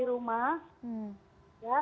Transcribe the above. istirahatlah di rumah